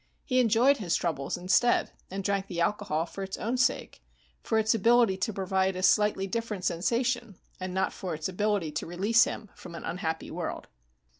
He enjoyed his troubles instead, and drank the alcohol for its own sake, for its ability to provide a slightly different sensation, and not for its ability to release him from an unhappy world.